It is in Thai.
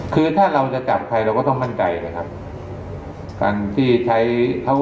คือถ้าเราจะจับใครเราก็ต้องมั่นใจนะครับ